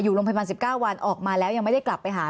โรงพยาบาล๑๙วันออกมาแล้วยังไม่ได้กลับไปหา